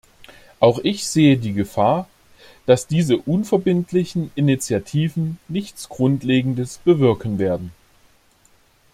Auch ich sehe die Gefahr, dass diese unverbindlichen Initiativen nichts Grundlegendes bewirken werden.